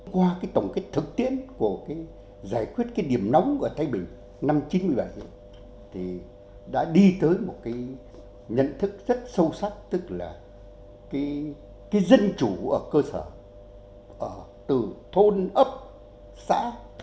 qua cái tổng kết thực tiễn của cái giải quyết cái điểm nóng ở thái bình năm chín mươi bảy thì đã đi tới một cái nhận thức rất sâu sắc tức là cái dân chủ ở cơ sở từ thôn ấp xã